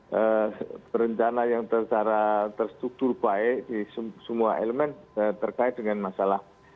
pemerintah yang terstruktur baik di semua elemen terkait dengan masalah